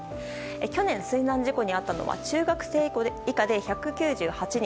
去年、水難事故に遭ったのは中学生以下で１９８人。